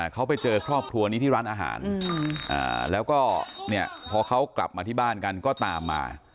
เขาไปเจอครอบครัวนี้ที่ร้านอาหารแล้วก็เนี่ยพอเขากลับมาที่บ้านกันก็ตามมา